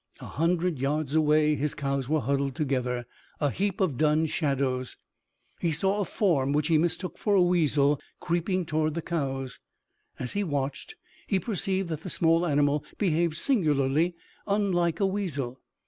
A hundred yards away his cows were huddled together a heap of dun shadows. He saw a form which he mistook for a weasel creeping toward the cows. As he watched, he perceived that the small animal behaved singularly unlike a weasel.